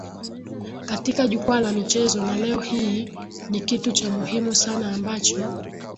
katika jukwaa la michezo na leo hii ni kitu cha muhimu sana ambacho